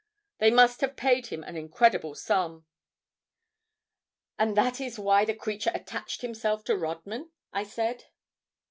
They must have paid him an incredible sum." "And that is why the creature attached himself to Rodman!" I said.